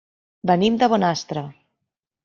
Venim de Bonastre.